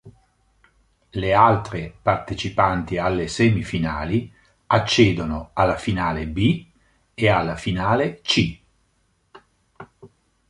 Le altre partecipanti alle semifinali accedono alla finale "B" e alla finale "C".